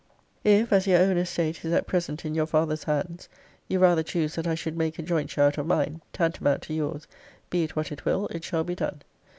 'If, as your own estate is at present in your father's hands, you rather choose that I should make a jointure out of mine, tantamount to yours, be it what it will, it shall be done.